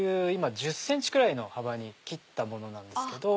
１０ｃｍくらいの幅に切ったものなんですけど。